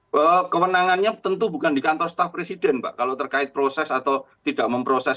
bahwa kewenangannya tentu bukan di kantor staf presiden mbak kalau terkait proses atau tidak memproses